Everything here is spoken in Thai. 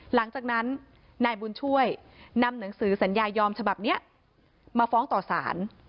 หลังจากนั้นนายบุญช่วยนำหนังสือสัญญายอมฉบับนี้มาฟ้องต่อสาร